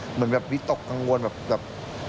เหมือนแบบวิตกกังวลแบบ